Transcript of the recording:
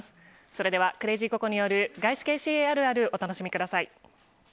それではＣＲＡＺＹＣＯＣＯによる外資系ＣＡあるあるお楽しみください。